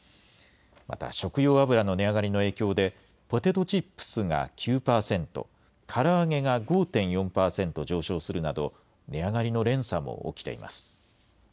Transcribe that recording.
また食用油の値上がりの影響で、ポテトチップスが９％、から揚げが５．４％上昇するなど、値上がりの連鎖も起きています。